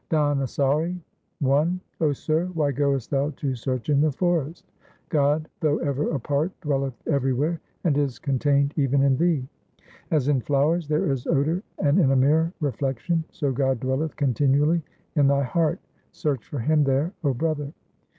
Dhanasari I 0 Sir, why goest thou to search in the forest ? God though ever apart dwelleth everywhere, and is con tained even in thee. HYMNS OF GURU TEG BAHADUR 403 As in flowers there is odour and in a mirror reflection, So God dwelleth continually in thy heart ; search for Him there, O brother.